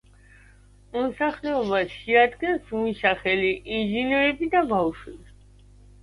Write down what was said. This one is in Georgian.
მოსახლეობას შეადგენს მუშახელი, ინჟინრები და ბავშვები.